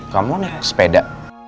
kamu naik sepeda